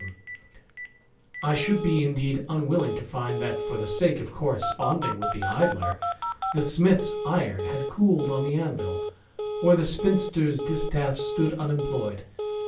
THE IDLER, 281 I should be indeed unwilling to find that, for the sake of corresponding with the Idler^ the smith's iron had cooled on the anvil, or the spinster's distaff stood unemployed.